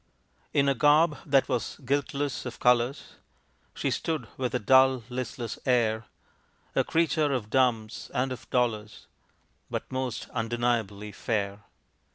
In a garb that was guiltless of colors She stood, with a dull, listless air A creature of dumps and of dolors, But most undeniably fair.